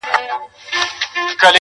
رسنۍ موضوع نړيواله کوي,